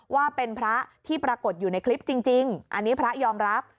ว่าเป็นพระที่ปรากฏอยู่ในคลิปจริงอันนี้พระยอมรับ